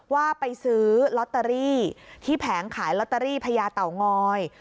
ว่าไปซื้อลอตเตอรี่ที่แผงขายลอตเตอรี่พญาเต่างอย